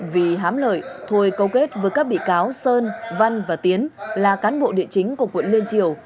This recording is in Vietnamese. vì hám lợi thôi câu kết với các bị cáo sơn văn và tiến là cán bộ địa chính của quận liên triều